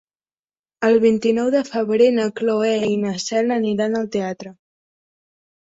El vint-i-nou de febrer na Cloè i na Cel aniran al teatre.